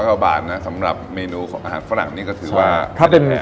๒๐๐กว่าบาทนะสำหรับเมนูของอาหารฝรั่งก็ถือว่า